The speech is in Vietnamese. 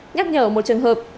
nhắc nhở một trường hợp